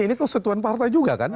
ini kesetuan partai juga kan